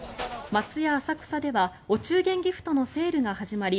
松屋浅草ではお中元ギフトのセールが始まり